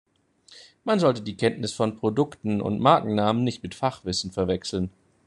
Man sollte die Kenntnis von Produkten und Markennamen nicht mit Fachwissen verwechseln.